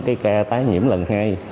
cái ca tái nhiễm lần hai